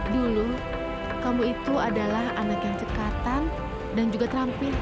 dulu kamu itu adalah anak yang cekatan dan juga terampil